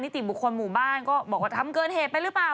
ติบุคคลหมู่บ้านก็บอกว่าทำเกินเหตุไปหรือเปล่า